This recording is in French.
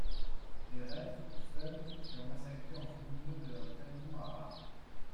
Les reîtres, seuls, furent massacrés en souvenir de leur trahison à Arques.